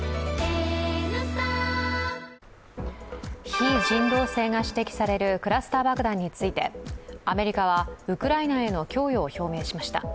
非人道性が指摘されるクラスター爆弾についてアメリカはウクライナへの供与を表明しました。